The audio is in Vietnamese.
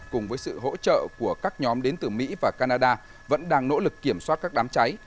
cùng với sự hỗ trợ của các nhóm đến từ mỹ và canada vẫn đang nỗ lực kiểm soát các đám cháy